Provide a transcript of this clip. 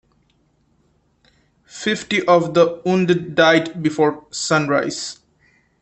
Fifty of the wounded died before sunrise.